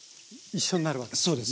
そうです。